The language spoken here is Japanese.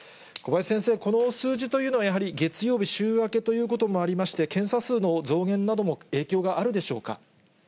小林先生、この数字というのはやはり月曜日、週明けということもありまして、検査数の増減なども影響があるんでしょうか。